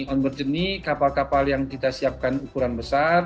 on board ini kapal kapal yang kita siapkan ukuran besar